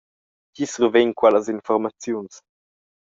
Tgi survegn quellas informaziuns?